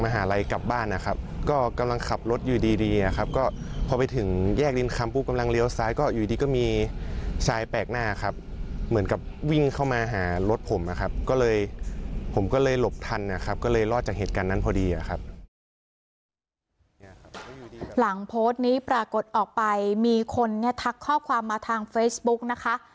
หลังโพสต์นี้ปรากฏออกไปมีคนเนี่ยทักข้อความมาทางเฟซบุ๊กนะคะ